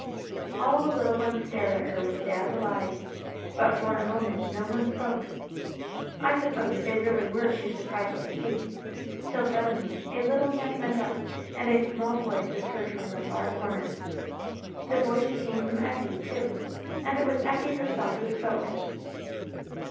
All the little ones stared at her with dazzled eyes, but for a moment no one spoke. I suppose they really were too surprised to speak, till suddenly a little hand went up, and a small voice was heard from the far corner. The voice came from Effie, too, and it was Effie herself who spoke.